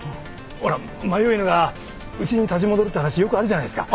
ほら迷い犬がうちに立ち戻るって話よくあるじゃないですか。